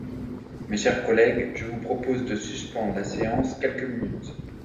Mes chers collègues, je vous propose de suspendre la séance quelques minutes.